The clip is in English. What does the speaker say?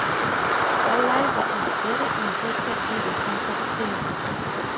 Saliva is very important in the sense of taste.